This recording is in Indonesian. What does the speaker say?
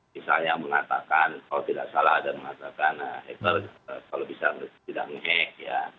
misalnya mengatakan kalau tidak salah ada yang mengatakan kalau bisa tidak nge hack ya